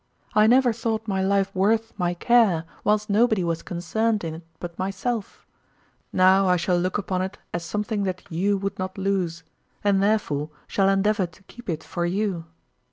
I never thought my life worth my care whilst nobody was concerned in't but myself; now I shall look upon't as something that you would not lose, and therefore shall endeavour to keep it for you.